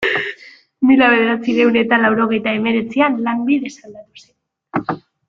Mila bederatziehun eta laurogeita hemeretzian, lanbidez aldatu zen.